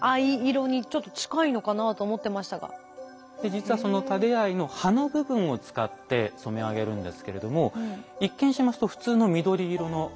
実はそのタデアイの葉の部分を使って染め上げるんですけれども一見しますと普通の緑色の葉っぱですよね。